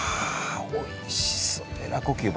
おいしそう。